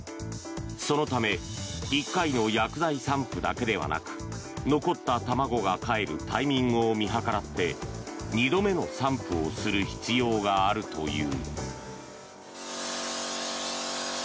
そのため１回の薬剤散布だけではなく残った卵がかえるタイミングを見計らって２度目の散布をする必要があるという。